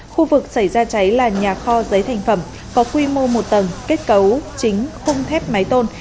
khu vực xảy ra cháy là nhà kho giấy thành phẩm có quy mô một tầng kết cấu chính khung thép máy tôn